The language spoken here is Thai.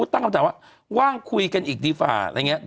ตั้งคำถามว่าว่างคุยกันอีกดีฝ่าอะไรอย่างนี้